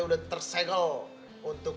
udah tersegel untuk